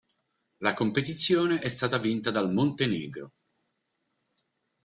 La competizione è stata vinta dal Montenegro.